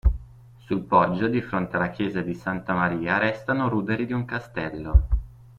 Sul poggio, di fronte alla chiesa di Santa Maria, restano ruderi di un castello.